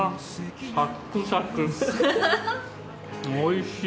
おいしい。